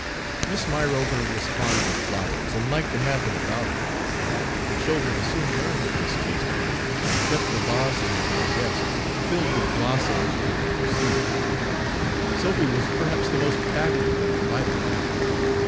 Miss Myrover was fond of flowers, and liked to have them about her. The children soon learned of this taste of hers, and kept the vases on her desk filled with blossoms during their season. Sophy was perhaps the most active in providing them.